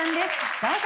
どうぞ。